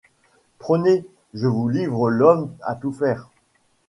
Prenez, je vous livre l’ homme à tout faire.